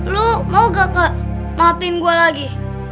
lu mau gak kak maafin gue lagi